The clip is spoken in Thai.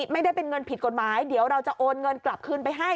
ไม่ได้เป็นเงินผิดกฎหมายเดี๋ยวเราจะโอนเงินกลับคืนไปให้